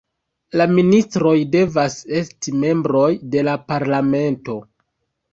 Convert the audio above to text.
La ministroj devas esti membroj de la parlamento.